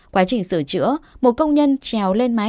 quá trình sửa chữa một công nhân trèo lên mái